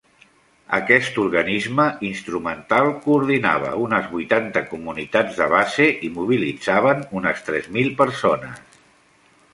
Aquest organisme instrumental coordinava unes vuitanta comunitats de base i mobilitzaven unes tres mil persones.